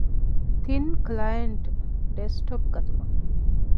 ތިން ކްލައިންޓް ޑެސްކްޓޮޕް ގަތުމަށް